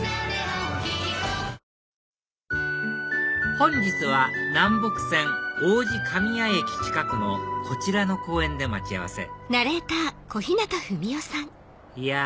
本日は南北線王子神谷駅近くのこちらの公園で待ち合わせいや